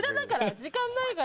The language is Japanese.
時間ないから。